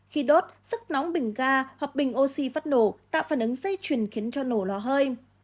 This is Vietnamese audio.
khi đốt sức nóng bình ga hoặc bình oxy phát nổ tạo phản ứng dây chuyền khiến cho nổ lò hơi